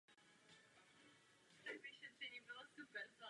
Veliký pro vpád do Slezska během válek o dědictví rakouské.